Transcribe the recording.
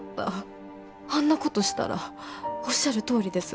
あんなことしたらおっしゃるとおりです